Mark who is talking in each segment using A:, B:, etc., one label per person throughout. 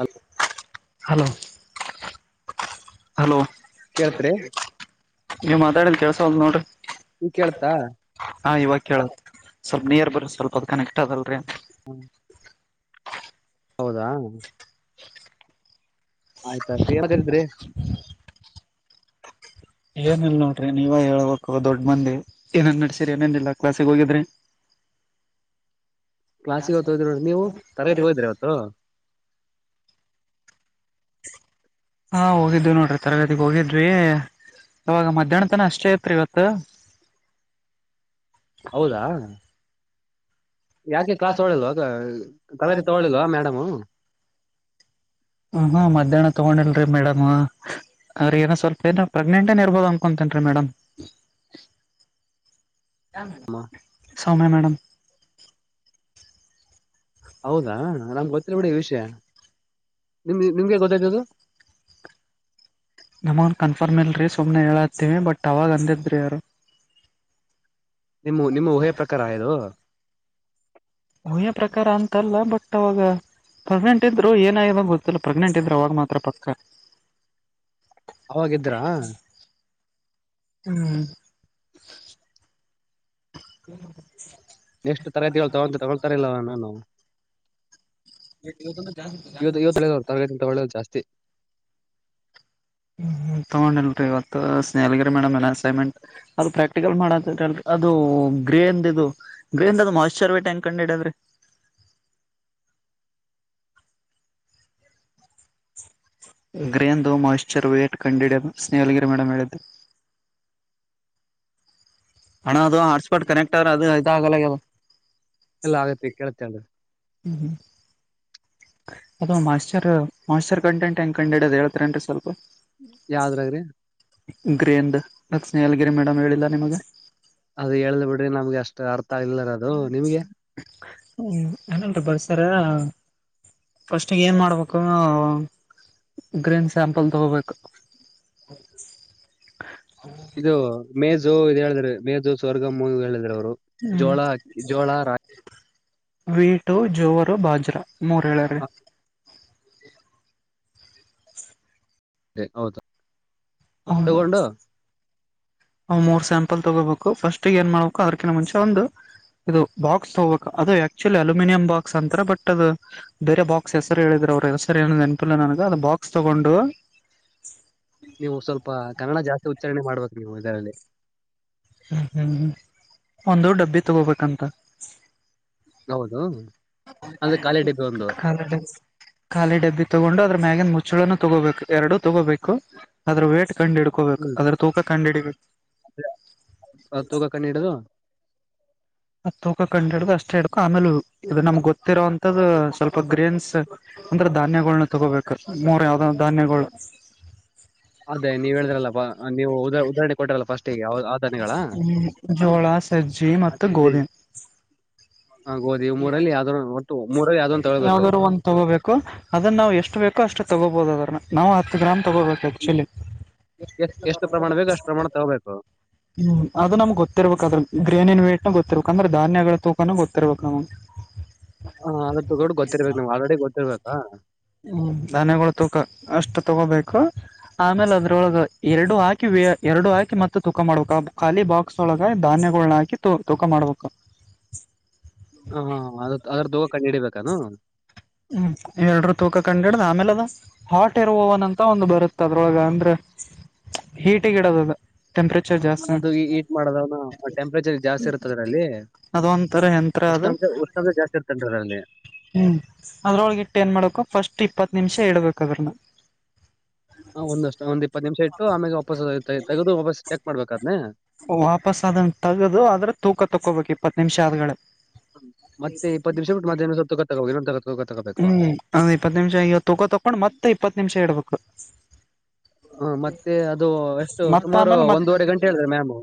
A: ಅಲ್
B: hello hello
A: ಕೇಳ್ತ್ರಿ
B: ನೀವ್ ಮಾತಾಡಿದ್ ಕೆಳಸವಲತ್ತ ನೋಡ್ರಿ
A: ತಾ
B: ಹಾ ಇವಾಗ ಕೇಳತ್ ಸ್ವಲ್ಪ ನಿಯರ್ ಬರ ಸ್ವಲ್ಪ ಅದು ಕನೆಕ್ಟ್ ಅದಲ್ರರಿ
A: ಹ್ಮ ಹೌದಾ ಆಯ್ತ ಆಯ್ತು ಏನಾದ್ರಿ
B: ಏನಲ್ ನೋಡ್ರಿ ನೀವ ಹೇಳ್ಬೇಕು ದೊಡ್ ಮಂದಿ ಏನೇನ್ ನಡ್ಸೀರಿ ಏನೇನ್ನಿಲ್ಲ ಕ್ಲಾಸ್ಗೆ ಹೋಗಿದ್ರಿ
A: [inaudible] ಕ್ಲಾಸಿಗೆ ಹೊತ್ತು ಹೋದ್ರಿ ನೋಡಿ ನೀವು ತರಗೇತಿಗೆ ಹೋದ್ರಿ ಇವತ್ತು
B: ಹಾ ಹೋಗಿದ್ದು ನೋಡ್ರಿ ತರಗತಿಗ್ ಹೋಗಿದ್ವಿ ಅವಾಗ ಮಧ್ಯಾಹನ ತನ ಅಷ್ಟೇ ತ್ರಿ ಇವತ್ತು
A: ಹೌದಾ ಯಾಕೆ ಕ್ಲಾಸ್ ತೋಳಲ್ವಾ ಕಲರಿ ತಗೊಳ್ಳಿಲ್ವಾ ಮೇಡಮು
B: ಹುಂ ಮಧ್ಯಾಹ್ನ ತಗೊಂಡಿಲ್ರಿ ಮೇಡಮ್ ಅವ್ರ ಏನ ಸ್ವಲ್ಪ ಏನ ಪ್ರೆಗ್ನೆಂಟ್ ಏನ್ ಇರ್ಬೋದು ಅನ್ಕೊತೇನ್ ರಿ ಮೇಡಮ್
A: [inaudible]
B: ಸೌಮ್ಯ ಮೇಡಮ್
A: ಹೌದಾ ನಮ್ಗೆ ಗೊತ್ತಿರ್ ಬಿಡಿ ಈ ವಿಷಯ ನಿಮ್ಗೆ ನಿಮ್ಗೆ ಗೊತ್ತ್ದದು
B: ನಮನ್ ಕನ್ಫರ್ಮ್ ಇಲ್ರಿ ಸುಮ್ ಸುಮ್ನೆ ಹೇಳತ್ತೀವಿ ಬಟ್ ಅವಾಗ ಅಂದಿದ್ರಿ ಅವ್ರು
A: ನಿಮ್ಮ ನಿಮ್ಮ ಊಹೆಯ ಪ್ರಕಾರ ಇದು
B: ಊಹೆ ಪ್ರಕಾರ ಅಂತಲ್ಲ ಬಟ್ ಅವಾಗ ಪ್ರೆಗ್ನೆಂಟ್ ಇದ್ರು ಏನಾಗ ಗೊತ್ತಿಲ್ಲ ಪ್ರಗ್ನೆಂಟ್ ಇದ್ರು ಅವಾಗ ಮಾತ್ರ ಪಕ್ಕ
A: ಅವಾಗಿದ್ರಾ
B: ಹ್ಮ್ [inaudible]
A: ಎಷ್ಟು ತರಗತಿಗಳು ತಗೊ ತಗೊಳ್ತಾರ ಇಲ್ಲವ ಮ್ಯಾಮ್ ಇವತ್ತು ಇವತ್ತು ತರಗತಿ ತಗೋಳಲ್ಲ ಜಾಸ್ತಿ
B: ಹ್ಮ್ ತಗೊಂಡಿಲ್ರಿ ಇವತ್ತು ಸ್ನಹಲಿಗರಿ ಮೇಡಮ್ ಎಲ್ಲ ಅಸೈನ್ಮೆಂಟ್ ಅದು ಪ್ರಾಕ್ಟಿಕಲ್ ಮಾಡದ ಹೇಳ ಅದು ಗ್ರೇಂದ ಇದು ಗ್ರೇಂದ ಅದು ಮಾಯಿಶ್ಚರ್ ವೇಟ್ ಹೆಂಗೆ ಕಂಡು ಹಿಡಿಯದ್
A: [inaudible]
B: ಗ್ರೇಂದು ಮಾಯ್ಚರ್ ವೇಟ್ ಕಂಡಿ ಹಿಡಿಯದು ಸ್ನೇಹಲ್ಗಿರಿ ಮೇಡಮ್ ಹೇಳಿದ್ದು ಅಣ್ಣ ಅದು ಹಾಟ್ಸ್ಪಾಟ್ ಕನೆಕ್ಟ್ ಆದ್ರೆ ಅದು ಇದ್ ಆಗಲ್ಲಲ್ಲ ಅದು
A: ಎಲ್ಲ ಆಗತ್ತೆ ಕೇಳತ್ತೆ ಅಲ್ರಿ
B: ಹ್ಮ್ ಹ್ಮ್ ಅದು ಮೊಯ್ಸ್ಚರ್ ಮೊಯ್ಸ್ಚರ್ ಕಂಟೆಂಟ್ ಹೆಂಗ ಕಂಡು ಇಡಿಯೋದು ಹೇಳ್ತಾರನ್ರಿ ಸ್ವಲ್ಪ
A: ಯಾವ್ದ್ರಗ್ರಿ
B: ಗ್ರೇಂದ್ ಸ್ನೇಹ ಗಿರಿ ಮೇಡಮ್ ಹೇಳಿಲ್ಲ ನಿಮಗ
A: ಅದು ಹೇಳ್ದ್ ಬಿಡ್ರಿ ನಮ್ಗೆ ಅಷ್ಟು ಅರ್ಥ ಆಗಿಲ್ಲ ಅದು ನಿಮ್ಗೆ
B: ಹ್ಮ [unintelligible] ಫಸ್ಟ್ ಏನ್ ಮಾಡ್ಬೇಕು... ಗ್ರೀನ್ ಸ್ಯಾಂಪಲ್ ತಗೋಬೇಕು
A: ಇದು ಮೇಜು ಇದು ಹೇಳಿದ್ರೆ ಮೇಜು ಸ್ವರ್ಗಮ್ಮ ಹೇಳಿದ್ರ ಅವರು
B: ಹ್ಮ
A: ಜೋಳ ಅಕ್ಕಿ ಜೋಳ ರಾಗಿ
B: ವೀಟು ಜೋರು ಬಾಜ್ರಾ ಮೂರ್ ಹೇಳಾರ್ ರಿ
A: ಅ ಹೌದು ತಗೊಂಡು
B: ಅವ್ ಮೂರ್ ಸ್ಯಾಂಪಲ್ ತಗೋಬೇಕು ಫಸ್ಟ್ ಏನ್ ಮಾಡ್ಬೇಕು ಅದಕಿಂತ ಮುಂಚೆ ಒಂದು ಇದು ಬಾಕ್ಸ್ ತೋಗಬೇಕ್ ಅದು ಆಕ್ಚುಲಿ ಅಲ್ಯೂಮಿನಿಯಂ ಬಾಕ್ಸ್ ಅಂತರ ಬಟ್ ಅದು ಬೇರೆ ಬಾಕ್ಸ್ ಹೆಸರು ಹೇಳಿದು [unintelligible] ಸರಿ ಏನ ನೆನಪಿಲ್ಲ ನನಗೆ ಅ ಬಾಕ್ಸ್ ತೊಗೊಂಡು
A: ನೀವು ಸ್ವಲ್ಪ ಕನ್ನಡ ಜಾಸ್ತಿ ಉಚ್ಚಾರಣೆ ಮಾಡ್ಬೇಕ ನೀವು ಇದರಲ್ಲಿ
B: ಹ್ಮ್ ಹ್ಮ್ ಹ್ಮ್ ಒಂದು ಡಬ್ಬಿ ತಗೋಬೇಕಂತ
A: ಹೌದು ಅಂದ್ರೆ ಖಾಲಿ ಡಬ್ಬಿ ಒಂದು
B: [unintelligible] ಖಾಲಿ ಡಬ್ಬಿ ತಗೊಂಡು ಅದ್ರ ಮ್ಯಾಗಿನ್ ಮುಚ್ಚು ಚ್ಚುಳನು ತಗೋಬೇಕು ಎರಡು ತಗೋಬೇಕು ಅದ್ರ ವೇಟ್ ಕಂಡು ಹಿಡ್ಕೋಬೇಕು
A: ಹ್ಮ್
B: ಅದ್ರ ತೂಕ ಕಂಡ ಹಿಡಿಬೇಕು
A: ಅದ್ ತೂಕ ಕಣ್ಣು ಹಿಡಿದು
B: ತೂಕ ಕಂಡ್ ಹಿಡ್ದು ಅಷ್ಟೇ ಹಿಡ್ಕೊ, ಆಮೇಲ್ ಇದು ನಮ್ಗ್ ಗೊತ್ತಿರೊ ಅಂತದು ಸ್ವಲ್ಪ ಗ್ರೈನ್ಸ್ ಅಂದ್ರ ಧಾನ್ಯಗಳ್ನ ತಗೋಬೇಕ, ಮೂರ್ ಯಾವ್ದಾವ ಧಾನ್ಯಗಳು
A: ಅದೇ ನೀವ್ ಹೇಳಿದ್ರಲ್ಲ ಪ, ನೀವು ಉದಾಹರಣೆ ಕೊಟ್ಟ್ರಲ್ಲ ಫಸ್ಟ್ ಗೆ ಆ- ಆ ಧಾನ್ಯಗಳ
B: ಹ್ಮ ಜೋಳ, ಸಜ್ಜಿ ಮತ್ತು ಗೋಧಿ
A: ಗೋಧು ಇವ್ ಮೂರಲ್ಲಿ ಯಾವ್ದರು
B: ಯಾವ್ದರು ಒಂದ್ ತಗೋಬೇಕು, ಅದನ್ ನಾವು ಎಷ್ಟು ಬೇಕೋ ಅಷ್ಟ್ ತಗೋಬೋದದ ನಾವು ಹತ್ತ್ ಗ್ರಾಮ್ ತೊಗೋಬೇಕು ಆ್ಯಕ್ಚುಲಿ
A: ಎಷ್ಟ್ ಎಷ್ಟು ಪ್ರಮಾಣ ಬೇಕು ಅಷ್ಟು ಪ್ರಮಾಣ ತಗೋಬೇಕು
B: ಹ್ಮ್ ಅದು ನಮ್ಗ್ ಗೊತ್ತಿರ್ಬೇಕಾದ್ರ ಗ್ರೇನಿನ್ ಗೊತ್ತಿರ್ಬೇಕು ಅಂದ್ರ ಧಾನ್ಯಗಳ ತೂಕಾನು ಗೊತ್ತಿರ್ಬೇಕು ನಮ್ಗೆ
A: ಹಾ ಅದ್ರ ತಗೊಡು ಗೊತ್ತಿರ್ಬೇಕ್ ನಮ್ಗ್ ಆಲ್ರೆಡಿ ಗೊತ್ತಿರ್ಬೇಕಾ
B: ಹ್ಮ್ ಧನ್ಯಗಳು ತೂಕ ಅಷ್ಟು ತಗೋಬೇಕು ಆಮೇಲೆ ಅದ್ರೊಳ್ಗ ಎರ್ಡು ಹಾಕಿ ಯ ಎರ್ಡು ಹಾಕಿ ಮತ್ ತೂಕ ಮಾಡ್ಬೇಕ ಅವ್ಗ್ ಖಾಲಿ ಬಾಕ್ಸ್ ಒಳಗ ಧಾನ್ಯಗುಳ್ನ ಹಾಕಿ ತೂ ತೂಕ ಮಾಡ್ಬೇಕ
A: ಹ ಹಾ ಅದ್ರ್ ಅದ್ರು ತೂಕ ಕಂಡ್ ಹಿಡಿಬೇಕಾನು?
B: ಹ್ಮ್ ಇವ್ ಎರ್ಡ್ರು ತೂಕ ಕಂಡ್ ಹಿಡ್ದ್ ಆಮೇಲೆ ಅದ ಹಾಟ್ ಏರ್ ಓವನ್ ಅಂತ ಒಂದು ಬರುತ್ತ ಅದ್ರೊಳ್ಗ ಅಂದ್ರೆ ಹೀಟಿಗ್ ಇಡೋದದ ಟೆಂಪ್ರೇಚರ್
A: ಹ
B: ಜಾಸ್ತಿ
A: ಅದು ಈ ಈಟ್ ಮಾಡದನು, ಟೆಂಪ್ರೇಚರ್ ಜಾಸ್ತಿ ಇರುತ್ತ ಅದ್ರಲ್ಲಿ
B: ಅದೊಂತರ ಯಂತ್ರ
A: ಉಷ್ಟ
B: ಅದು
A: ಅಂದ್ರೆ ಉಷ್ಣಾಮ್ಶ ಜಾಸ್ತಿ ಇರ್ತೈತ್ ಅದ್ರಲ್ಲಿ
B: ಹ್ಮ್ ಅದ್ರೊಳ್ಗಿಟ್ಟು ಏನ್ ಮಾಡ್ಬಕು ಫಸ್ಟ್ ಇಪ್ಪತ್ ನಿಮ್ಷ ಇಡ್ಬೇಕ್ ಅದನ್ನ
A: ಹ ಒಂದಷ್ಟು ಒಂದ್ ಇಪ್ಪತ್ ನಿಮ್ಷ ಇಟ್ಟು ಆಮೇಲೆ ವಾಪಸ್ ತಗ್ದು ವಾಪಸ್ ಚೆಕ್ ಮಾಡ್ಬೇಕಾದ್ನ?
B: ವಾಪಾಸ್ ಅದನ್ ತಗ್ದು ಅದರ್ ತೂಕ ತಕ್ಕೊಬೇಕು ಇಪ್ಪತ್ ನಿಮ್ಷ ಆದ್ಗಳ
A: ಮತ್ತೆ ಇಪ್ಪತ್ ನಿಮ್ಷ ಬಿಟ್ [unintelligible]
B: ಹ್ಮ್ ಅದ್ ಇಪ್ಪತ್ ನಿಮ್ಷ ಈಗ ತಗೋ ತಕೊಂಡ್ ಮತ್ತೆ ಇಪ್ಪತ್ ನಿಮ್ಷ ಇಡ್ಬೇಕು
A: ಹ ಮತ್ತೆ ಅದು ಎಷ್ಟು
B: ಮತ್ತ
A: ಸುಮಾರು
B: ಆಮೇಲೆ ಮತ್
A: ಒಂದೂವರೆ ಗಂಟೆ ಹೇಳಿದ್ರೆ ಮ್ಯಾಮ್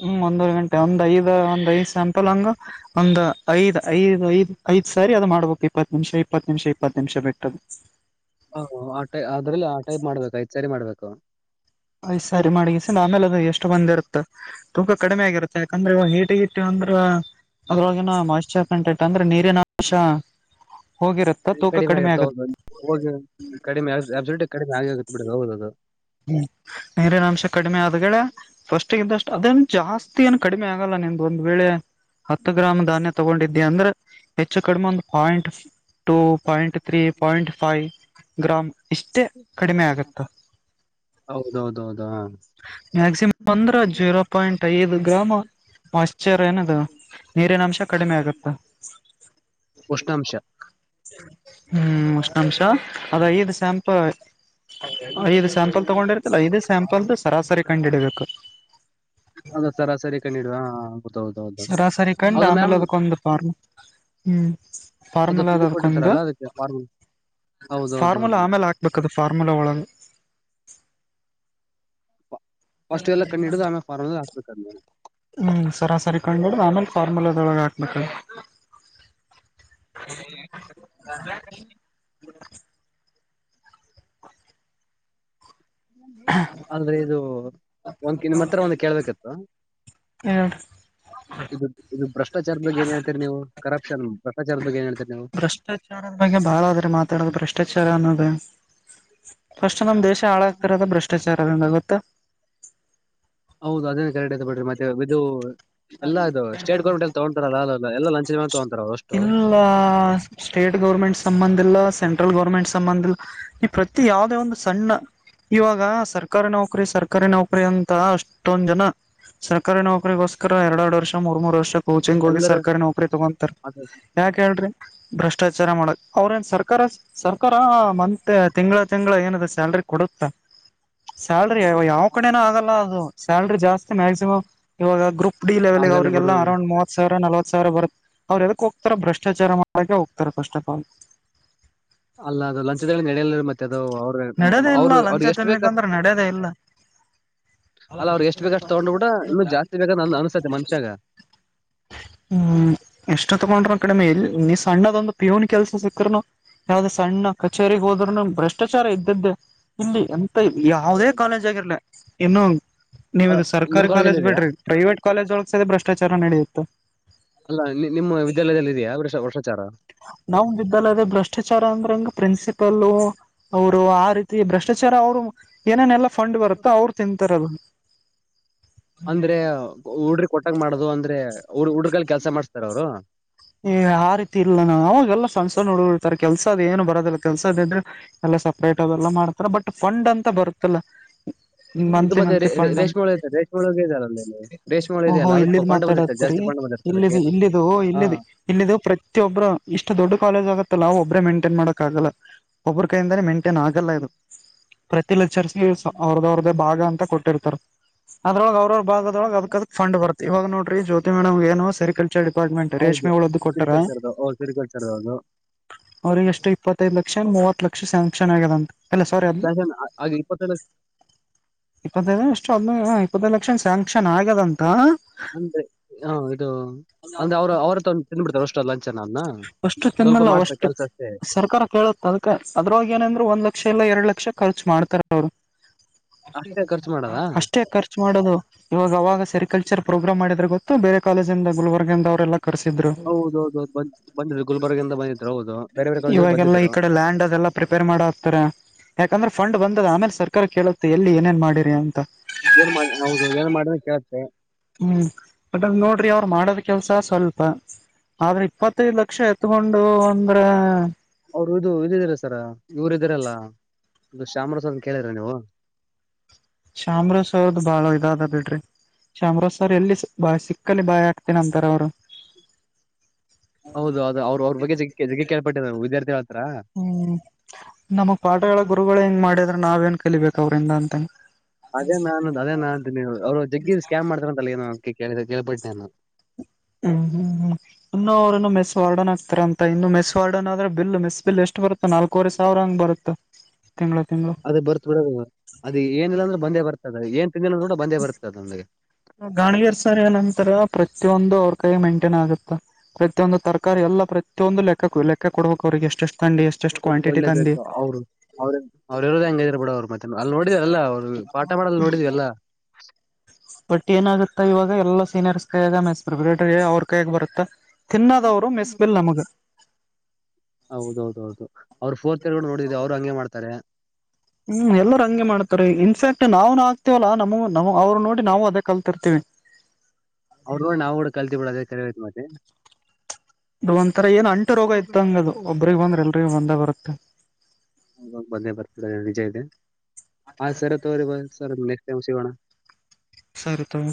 B: ಹ್ಮ್ ಒಂದೂವರೆ ಗಂಟೆ ಒಂದ್ ಐದ ಒಂದ್ ಐದ್ ಸೆಮ್ ಪ್ಪಲ್ಲಂಗ ಒಂದ್ ಐದ್ ಐದ್ ಐದ್ ಐದ್ ಸರಿ ಅದು ಮಾಡ್ಬೇಕು ಇಪ್ಪತ್ ನಿಮ್ಷ ಇಪ್ಪತ್ ನಿಮ್ಷ ಇಪ್ಪತ್ ನಿಮ್ಷ ಬಿಟ್ಟದು
A: ಓಹ್ ಆ ಟೈ ಅದ್ರಲ್ಲಿ ಆ ಟೈಪ್ ಮಾಡ್ಬೇಕು ಸರಿ ಮಾಡ್ಬೇಕು
B: ಐದ್ ಸರಿ ಮಾಡಗಿಸಿ ಆಮೇಲ್ ಅದು ಎಷ್ಟ್ ಬಂದ್ ಇರುತ್ ತೂಕ ಕಡಿಮೆ ಆಗಿರುತ್ತೆ ಯಾಕಂದ್ರೆ ಇವ ಹೀಟಿಗಿಟ್ಟಿವ್ ಅಂದ್ರ ಅದ್ರೊಳ್ಗಿನ ಮೋಯ್ಸ್ಚರ್ ಕಂಟೆಂಟ್ ಅಂದ್ರ ನೀರಿನಂಶ
A: ಕಡಿಮೆ ಆಗತ್ತ ಹೌದು ಹ ಕಡಿ ಕಡಿಮೆ ಆಗಿ ಆ ಬಿಡ ಹೌದು ಅದು
B: ಹ್ಮ್ ನೀರಿನಂಶ ಕಡಿಮೆ ಆದಗೆಳ ಫಸ್ಟಿಗಿದ್ದಷ್ಟು ಅದೇನ್ ಜಾಸ್ತಿ ಏನ್ ಕಡಿಮೆ ಆ ಆಗಲ್ಲ ನಿನ್ದ್ ಒಂದ್ ವೇಳೆ ಹತ್ತು ಗ್ರಾಮ್ ಧಾನ್ಯ ತಗೊಂಡಿದ್ದಿ ಅಂದ್ರೆ ಹೆಚ್ಚು ಕಡಿಮೆ ಒಂದು point two point three, point five gram ಇಷ್ಟೇ ಕಡಿಮೆ ಆಗುತ್ತಾ
A: ಹೌದೌದೌದು ಆ
B: ಮ್ಯಾಕ್ಸಿಮಮ್ ಅಂದ್ರ
A: [inaudible]
B: ಜೀರೋ ಪಾಯಿಂಟ್ ಐದು ಗ್ರಾಮು ಮೊಯ್ಸ್ಚರ್ ಏನದು ನೀರಿನಂಶ ಕಡಿಮೆ ಆಗುತ್ತ
A: ಉಷ್ಣಾಂಶ
B: ಹ್ಮ್ ಉಷ್ಣಾಂಶ ಅದ್ ಐದು ಸ್ಯಾಂಪಲ್ ಐದು ಸ್ಯಾಂಪಲ್ ತಗೊಂಡಿರ್ತಿಲ್ಲ ಐದು ಸ್ಯಾಂಪಲ್ದು ಸರಾಸರಿ ಕಂಡಿಡಿಬೇಕು
A: ಅಂದ್ರ ಸರಾಸರಿ ಕಂಡಿಡಿ ಆ
B: ಸರಾಸರಿ ಕಂಡು ಆಮೇಲೆ ಅದುಕ್ಕೊಂದ್ ಪಾರ್ಮುಲ ಹ್ಮ
A: ಅದು
B: ಫಾರ್ಮುಲ ಅದ
A: ಇದು
B: ಅದುಕ್ಕೊಂದು
A: ಕೊಟ್ಟಿರ್ತಾರಲ್ಲ ಅದಕ್ಕೆ ಫಾರ್ಮು
B: ಫಾರ್ಮುಲಾ
A: ಹೌದೌದೌದು
B: ಆಮೇಲ್ ಹಾಕ್ಬೇಕದು ಫಾರ್ಮುಲ ಒಳಗ
A: ಫಸ್ಟ್ ಇದೆಲ್ಲ ಕಂಡ್ ಇಡ್ದು ಆಮೇಗ್ ಫಾರ್ಮುಲದಗ್ ಆಕ್ಬೇಕದ್ನ
B: ಹ್ಮ್ ಸರಾಸರಿ ಕಂಡಿಡ್ದು ಆಮೇಲ್ ಫಾರ್ಮುಲದೊಳ್ಗ ಹಾಕ್ಬೇಕು [unintelligible]
A: ಅಲ್ರಿ ಇದು ಒಂದ್ಕಿದ್ ನಿಮ್ ಹತ್ರ ಒಂದು ಕೇಳ್ಬೇಕಿತ್ತು
B: ಹೇಳ್ರಿ
A: ಇದು ಇದು ಭ್ರಷ್ಟಾಚಾರದ್ ಬಗ್ಗೆ ಏನೇಳ್ತೀರ್ ನೀವು, ಕರಪ್ಷನ್ ಭ್ರಷ್ಟಾಚಾರದ್ ಬಗ್ಗೆ ಏನ್ ಹೇಳ್ತೀರಿ ನೀವು
B: ಭ್ರಷ್ಟಾಚಾರದ್ ಬಗ್ಗೆ ಬಾಳ ಅದ್ರಿ ಮಾತಾಡೋದು ಭ್ರಷ್ಟಾಚಾರ ಅನ್ನೋದು, ಫಸ್ಟ್ ನಮ ದೇಶ ಹಾಳಗತ ಇರೋದು ಭ್ರಷ್ಟಾಚಾರದಿಂದ ಗೊತ್ತಾ.
A: ಹೌದು ಅದೇನು ಕರೆಕ್ಟ್ ಐತಿ ಬಿಡ್ರಿ ಮತ್ತೆ ಇದು ಎಲ್ಲಾದು ಸ್ಟೇಟ್ ಗೌರ್ಮೆಂಟ್ ಎಲ್ಲ ತಗೊತಾರಲ್ಲ. ಎಲ್ಲ ಲಂಚದ ಮೇಲ.
B: ಇಲ್ಲ ಸ್ಟೇಟ್ ಗೌರ್ಮೆಂಟ್ ಸಂಬಂಧ ಇಲ್ಲ ಸೆಂಟ್. ಸೆಂಟ್ರಲ್ ಗೌರ್ಮೆಂಟ್ ಸಂಬಂಧ ಇಲ್ಲ ಈ ಪ್ರತಿ ಯಾವದೇ ಒಂದು ಸಣ್ಣ. ಇವಾಗ ಸರ್ಕಾರಿ ನೌಕರಿ ಸರ್ಕಾರಿ ನೌಕರಿ ಅಂತ ಅಷ್ಟೊಂದ ಜನ. ಸರ್ಕಾರಿ ನೌಕರಿಗೋಸ್ಕರ ಎರಡು ಎರಡು ವರ್ಷ ಮೂರ ಮೂರು ವರ್ಷ. ಕೋಚಿಂಗ್ ಹೋಗಿ
A: ಎಲ್ಲರ
B: ಸರ್ಕಾರಿ ನೌಕರಿ ತಗೊಂತಾರ ಯಾಕ ಹೇಳ್ರಿ. ಭ್ರಷ್ಟಾಚಾರ ಮಾಡಕ್ ಅವ್ರ ಏನ್ ಸರ್ಕಾರ ಸರ್ಕಾರ ಮಂತೆ. ತಿಂಗಳ ತಿಂಗಳ ಏನದ ಸ್ಯಾಲ್ರಿ ಕೊಡುತ್ತಾ. ಸ್ಯಾಲ್ರಿ ಯಾವ ಕಡೆನ ಆದಲ್ಲ ಅದು ಸ್ಯಾಲ್ರಿ ಜಾಸ್ತಿ ಮ್ಯಾಕ್ಸಿಮ್ ಇವಾಗ ಗ್ರೂಪ್. ಡಿ ಲೆವೆಲ್ಗೆ
A: ಆಗಲ್ಲ
B: ಅವ್ರರಿಗೆಲ್ಲ
A: ಬಿಡು
B: ಅರೌಂಡ್ ಮೂವತ್ತು ಸಾವರ ನಲವತ್ತು ಸಾವಿರ ಬರುತ್ತೆ. ಅವರು ಎದಕ್ ಹೋಗ್ತಾರ ಭ್ರಷ್ಟಾಚಾರ ಮಾಡಕೆ ಹೋಗ್ತಾರೆ ಫಸ್ಟ್ ಆಫ್ ಆಲ್.
A: ಅಲ್ಲ ಅದು ಲಂಚದಲ್ಲಿ ನಡೆಯಲ ಮತ್ತೆ ಅದು. ಅವ
B: ನಡೆದೇ ಇಲ್ಲ
A: ಅವರು ಅವ್ರ
B: ಲಂಚ
A: ಎಷ್ಟು ಬೇಕ. [inaudible]
B: ತಿನ್ಲಿಕ್ಕಂದ್ರೆ ನಡೆದೇ ಇಲ್ಲ
A: ಅಲ್ಲ ಅವ್ರಿಗೆ ಎಷ್ಟು ಬೇಕಷ್ಟು ತಗೊಂಡ ಹೋಗಿ ಬಿಟ್ಟರ ಇನ್ನ ಜಾಸ್ತಿ ಬೇಕನ ಅನ್ಸತ್ತೆ ಮನುಷ್ಯಗ.
B: ಹ್ಮ್ ಎಷ್ಟ ತಗೊಂಡ್ರ ಕಡಿಮೆ. ನೀ ಸಣ್ಣದ ಒಂದು ಪ್ಯೂನ್ ಕೆಲ್ಸ ಸಿಕ್ಕರುನು ಯಾವುದ ಸಣ್ಣ ಕಚೇರಿಗೆ ಹೋದರುನು ಭ್ರಷ್ಟ. ಚಾರ ಇದ್ದದ್ದೆ ಇಲ್ಲಿ ಎಂತ ಯಾವುದೇ ಕಾಲೇಜ್ ಆಗಿರಲಿ ಇನ್ನು. ನೀವು ಇದು
A: ನಿಮ್
B: ಸರ್ಕಾರಿ
A: ಕಾಲೇಜಲ್ಲಿ
B: ಕಾಲೇಜ್
A: ಇದೆಯಾ
B: ಬಿಡ್ರಿ ಪ್ರೈವೇಟ್ ಕಾಲೇಜ್ ಒಳಗಸತಿ ಭ್ರಷ್ಟಾಚಾರ ನಡೆಯುತ್ತ.
A: ಅಲ್ಲ ನಿ ನಿಮ್ಮ ವಿದ್ಯಾಲಯದಲ್ಲಿ ಇದೀಯಾ ಬ್ರಷ್ಟಚಾರ.
B: ನಾವು ಅಂದಿದಲ್ಲ ಅದ ಭ್ರಷ್ಟಾಚಾರ ಅಂದ್ರಂಗ ಪ್ರಿನ್ಸಿಪಲ್ ಅವರು ಆ ರೀತಿ ಭ್ರಷ್ಟಾಚಾರ. ಅವ್ರು ಏನೇನೆಲ್ಲಾ ಫಂಡ್ ಬರುತ್ತೋ ಅವ್ರು ತಿಂತಾರ ಅದನ.
A: ಅಂದ್ರೆ ಹುಡರಗೆ ಕೋಟಂಗ ಮಾಡದು ಅಂದ್ರೆ ಹುಡ್ರಗ ಕೈಲಿ ಕೆಲ್ಸ ಮಾಡಸ್ತಾರ ಅವರು.
B: ಏ ಆರೀತಿ ಇಲ್ಲ ನಾ ಅವಾಗೆಲ್ಲ ಸಣ್ಣ ಸಣ್ಣ ಹುಡುಗರ ಇರತಾರ ಕೆಲ್ಸದ ಏನು ಬರೋದಿಲ್ಲ ಕೆಲ್ಸದ ಇದ್ರೆ. ಸಪ್ರೇಟ್ ಅದೆಲ್ಲ ಮಾಡ್ತಾರ ಬಟ್ ಫಂಡ್ ಅಂತ ಬರುತ್ತಲ್ಲ.
A: [inaudible] ಇದು
B: ಮಂತ್ಲಿ
A: ಮತ್ತೆ ರೇ
B: ಮಂತ್ಲಿ
A: ರೆ
B: ಫಂಡ್ ಅಂತ
A: ರೇಷ್ಮ ಹುಳ್ಳ ಅಯ್ತಲ್ಲ ರೇಷ್ಮೊಳಗ ಇದೆಲ್ಲ ಅ ರೇಷ್ಮೆಳೆ ಅದಕ್ಕೆ ಫಂಡ್ ಬಂದಿತಲ್ಲ ಜಾಸ್ತಿ. ಫಂಡ್ ಬಂದಿರ್ತಾರೆ
B: ಇಲ್ಲಿದ
A: ಅದಕ್ಕೆ
B: ಇಲ್ಲಿದು
A: ಹಾ
B: ಇಲ್ಲಿದೆ. ಇಲ್ಲಿದ ಪ್ರತಿಯೊಬರು ಇಷ್ಟ ದೊಡ್ಡ ಕಾಲೇಜ್ ಆಗತ್ತಲ್ಲ ಒಬ್ರೇ ಮೇಂಟೈನ್ ಮಾಡಕ ಆಗಲ್ಲ. ಒಬ್ಬರ ಕೈಯಿಂದ ಮೇಂಟೇನ್ ಆಗಲ್ಲ ಇದು ಪ್ರತಿ ಲೆಕ್ಚರ್ಸನು ಅವ್ರ ಅವ್ರದ. ಭಾಗ ಅಂತ ಕೊಟ್ಟಿರ್ತಾರೆ ಅದ್ರೊಳಗೆ ಅವರ ಅವರ ಭಾಗದೊಳಗೆ ಅದಕ ಅದಕ ಫಂಡ್ ಬರ್ತಾ. ಇವಾಗ ನೋಡರಿ ಜ್ಯೋತಿ ಮೇಡಂಗನು ಸರಿಕಲ್ಚರ್ ಡಿಪಾರ್ಟ್ಮೆಂಟ್.
A: ಹೌದು
B: [unintelligible] ಕೊಟ್ಟಾರ
A: ಸಿರಿಕಲ್ಚರ್ದು ಓ ಸಿರಿಕಲ್ಚರ್ದು ಅದು
B: ಅವರಿಗೆಷ್ಟು ಇಪ್ಪತ್ತೈದು ಲಕ್ಷ ಏನು ಮೂವತ್ತು. ಲಕ್ಷ ಸ್ಯಾಂಕ್ಷನ್ ಆಗ್ಯದಂತ ಅಲ್ಲ ಸ್ವಾರಿ ಅದ
A: ಫ್ಯಾಷನ್ ಆಗ ಇಪ್ಪತ್ತೈದು ಲಕ್ಷ
B: ಇಪ್ಪತೈದ ಅಷ್ಟ. ಅಷ್ಟ ಅದನೇನೊ ಇಪ್ಪತ್ತೈದು ಲಕ್ಷ ಏನು ಸ್ಯಾಂಕ್ಷನ್ ಆಗ್ಯದ ಅಂತ.
A: ಅಂದ್ರೆ ಹ ಇದು ಅಂದ್ರೆ ಅವರು ಅವ್ರತ್ರ ಒಂದು ತಿಂದು ಬಿಡ್ತಾರೆ ಅಷ್ಟ ಲಂಚ
B: ಹೊಷ್ಟು ತಿಂದಮೇಲೆ ಹೊಷ್ಟು.
A: ಅಷ್ಟೇ
B: ಸರ್ಕಾರ ಕೇಳುತ್ತ ಅದಕ್ಕ ಅದರೊಳಗ ಏನಂದರ ಒಂದ ಲಕ್ಷ ಇಲ್ಲ ಎಡ್ ಲಕ್ಷ ಖರ್ಚು ಮಾಡ್ತಾರ ಅವರು.
A: ಅಷ್ಟೇ ಖರ್ಚು ಮಾಡದ
B: [unintelligible] ಅಷ್ಟೇ ಖರ್ಚು ಮಾಡೋದು ಇವಾಗ ಅವಾಗ ಸೆರಿಕಲ್ಚರ್. ಪ್ರೋಗ್ರಾಮ್ ಮಾಡಿದ್ರ ಗೊತ್ತು ಬೇರೆ ಕಾಲೇಜಿಂದ ಗುಲ್ಬರ್ಗದಿಂದ ಅವರೆಲ್ಲ. ಕರ್ಸಿದ್ರು
A: ಹೌದೌದು. ಬಂದಿದ್ರು ಗುಲ್ಬರ್ಗಿಂದ ಬಂದಿದ್ರು ಹೌದು ಬೇರೆ ಬೇರೆ ಕಾಲೇಜಿಂದ
B: ಇವಾಗೆಲ್ಲ ಈ
A: ಬಂದಿದ್ರು
B: ಕಡೆ ಲ್ಯಾಂಡ್ ಅದೆಲ್ಲಾ ಪ್ರಿಪೇರ್ ಮಾಡ ಹಕ್ತಾರೆ. ಯಾಕಂದ್ರೆ ಫಂಡ್ ಬಂದದ ಆಮೇಲೆ ಸರ್ಕಾರ ಕೇಳುತ್ತೆ ಎಲ್ಲಿ ಏನೇನ್ ಮಾಡಿರಿ ಅಂತ.
A: ಏನ್ ಮಾಡ ಹೌದು ಏನ್ ಮಾಡದರು ಕೇಳತೇ.
B: ಹ್ಮ್ ಬಟ್ ಅದ ನೋಡ್ರಿ ಅವ್ರ ಮಾಡೋದ್ ಕೆಲ್ಸ ಸ್ವಲ್ಪ. ಆದ್ರ ಇಪ್ಪತ್ತೈದು ಲಕ್ಷ ಎತ್ಕೊಂಡು ಅಂದ್ರ.
A: ಅವ್ರು ಇದು ಇದಿದೀರಲ ಸರ ಇವ್ರು ಇದೀರಲ್ಲ. ಇದು ಶಾಮರ ಸರ್ ನಾ ಕೇಳಿರ ನೀವು.
B: ಶಾಮರಾಜ್ ಸರ್ ದು ಬಾಳ ಇದಾದ ಬಿಡ್ರಿ. ಚಾಮರಾಜ್ಸರ್ ಎಲ್ಲಿ ಬ ಸಿಕ್ಕಲ್ಲಿ ಬಾಯ ಆಾಕ್ತನ ಅಂತಾರ ಅವ್ರು
A: ಹೌದು ಅದು ಅವರು ಅವ್ರ ಬಗ್ಗೆ ಜ ಕೇಳ್ಪಟ್ಟ ವಿದ್ಯಾರ್ಥಿ
B: ಹ್ಮ್ ನಮಗ್ ಪಾಠಗಳ ಗುರುಗಳ ಹೆಂಗ್ ಮಾಡಿದ್ರ ನಾವೇನ್ ಕಲಿಬೇಕ ಅವ್ರಿಂದ ಅಂತ
A: ಅದೇ ನಾನನ್ ಅದೇ ನಾನ್ ನೀವು ಅವ್ರು ಜಗ್ಗ ಸ್ಕಾಮ್ತಾರ ತಲಗಏ ಳ ಕೇಳಳ್ಪಟ್ಟಾನ
B: ಹ್ಮ್ ಹ್ಮ್ ಹ್ಮ ಇನ್ನು ಅವ್ರರುನ್ನು ಮೆಸ್ ವಾರ್ಡನ್ ಹ ಆಕ್ತಾರ ಅಂತ ಇನ್ನು ಮೆಸ್ ವಾರ್ಡನ್ ಆದ್ರೆ ಬಿಲ್ ಮೆಸ್ ಬಿಲ್ ಎಷ್ಟು ಬರುತ್ತೆ ನಾಲ್ಕವರೆ ಸಾವಿರ ಹಂಗ್ ಬರುತ್ತ ತಿಂಗಳ ತಿಂಗಳು
A: ಅದೇ ಬರ್ತ್ ಬಿಡ ಅದ ಏನಿಲ್ಲ ಅಂದ್ರೆ ಬಂದೇ ಬರ್ತದ ಏನ್ ತಿನ್ಿಲ್ಲ ಅಂದ್ರ ಕೂಡ ಬಂದೇ ಬರ್ತದೆ ನಮ್ಗೆ
B: ಗಾಣಗರ್ ಸರಿ ನಂತರ ಪ್ರತಿಯೊಂದು ಅವ್ರ ಕೈ ಮೇಂಟೇನ್ ಆಗುತ್ತ ಮೊಂದು ತರಕಾರಿ ಎಲ್ಲ ಪ್ರತಿಯೊಂದು ಲೆಕ್ಕ ಲೆಕ್ಕ ಕೊಡಬೇಕು ಅವ್ರರಿಗೆ ಎಷ್ಟಷ್ಟು
A: ಕೊಡ್ಬೇಕು ಅವ್ರು ಅವ್ರ ಅವರು ಇರೋದ ಹೆಂಗ ಇದ್ರ ಬಿಡ ಅವ್ರು ಮತ್ತೆ ಅಲ್ಲಿ ನೋಡಿದ ಅಲ್ಲ ಅವ್ರು ಪಾಠ ಮಾಡ ನೋಡಿದೀವಲ್ಲ
B: ಬಟ್ ಏನಾಗುತ್ತಾ ಇವಾಗ ಎಲ್ಲಾ ಸೀನಿಯರ್ಸ್ ಕೈಗ ಮಸ್ ಪ್ರಿಪರೇಟರ್ ಅವ್ರ ಕೈಯಾಗ ಬರುತ್ತಾ ತಿನ್ನಾದ ವರ ಮೆಸ್ಬಿಲ್ ನಮಗೆ
A: ಹೌದೌದೌದು ಅವರು ಫೋರ್ತ್ ಇರ್ ನೋಡಿದವಿ ಅವರು ಹಂಗೆ ಮಾಡ್ತಾರೆ
B: ಹ್ಮ್ ಎಲ್ಲರು ಹಂಗೆ ಮಾಡ್ತ ಇನ್ಫ್ಯಾಕ್ಟ್ ನಾವ್ನು ಆಗ್ತತಿವಲ್ಲಾ ನಮ ನ ಅವ್ರು ನೋಡಿ ನಾವು ಅದೇ ಕಲ್ತಿರ್ತಿವಿ
A: ಅವ್ರೂ ನೋಡಿ ಕೂಡ ಕಲ್ತಿ ಬಿಡ ಅದೇ ಕರೇವು ಐತೆ ಮತ್ತೆ
B: ಅದು ಒಂಥರ ಏನ್ ಅಂಟು ರೋಗ ಇತ್ತಂಗದು ಒಬ್ರಿಗೆ ಬಂದ್ರೆ ಎಲ್ರಿಗ ಬಂದ ಬರುತ್ತೆ
A: ಹ ಬಂದೇ ಬರ್ತಡ ವಿಜಯ್ ಇದೆ ಆ ಸರ್ ತೋರಿ ಸರ್ ಮತ್ತೊಮ್ಮೆ ಸಿಗೋಣ
B: ಸರಿ ತಗೋ